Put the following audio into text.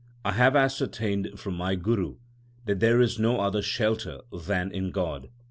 I have ascertained from my Guru that there is no other shelter than in God.